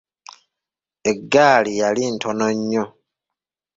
Egaali yali ntono nnyo.